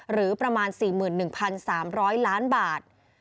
หรือประมาณ๔๑๓๐๐ล้านบาท